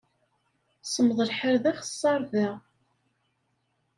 Semmeḍ lḥal d axeṣṣar da!